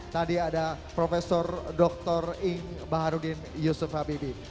tadi ada profesor doktor ing baharudin yusuf habibie